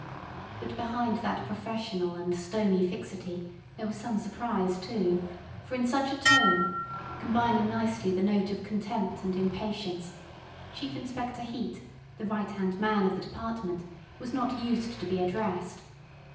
But behind that professional and stony fixity there was some surprise too, for in such a tone, combining nicely the note of contempt and impatience, Chief Inspector Heat, the right hand man of the department, was not used to be addressed.